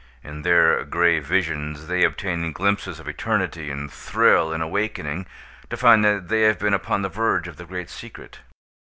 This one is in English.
In their gray visions they obtain glimpses of eternity, and thrill, in awakening, to find that they have been upon the verge of the great secret.